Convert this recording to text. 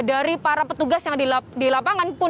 dari para petugas yang di lapangan pun